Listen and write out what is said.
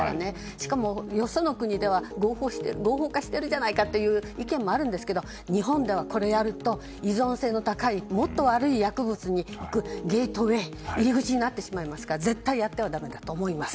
しかもよその国では合法化しているじゃないかという意見もあるんですけど、日本ではこれをやると、依存性の高いもっと悪い薬物に行くゲートウェイ入口になってしまいますから絶対にやってはだめだと思います。